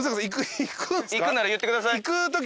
いくなら言ってください。